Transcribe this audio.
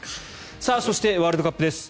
そして、ワールドカップです。